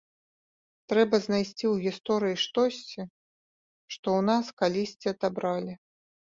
Трэба знайсці ў гісторыі штосьці, што ў нас калісьці адабралі.